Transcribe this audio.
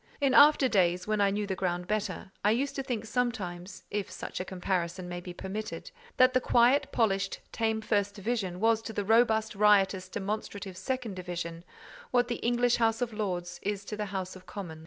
In after days, when I knew the ground better, I used to think sometimes (if such a comparison may be permitted), that the quiet, polished, tame first division was to the robust, riotous, demonstrative second division, what the English House of Lords is to the House of Commons.